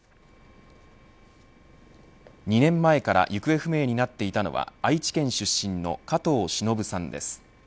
２年前から行方不明になっていたのは愛知県出身の加藤しのぶさんです。